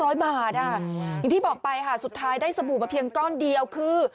อย่างที่บอกไปค่ะสุดท้ายได้สบู่มาเพียงก้อนเดียวคือ